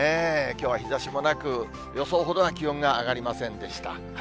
きょうは日ざしもなく、予想ほどは気温が上がりませんでした。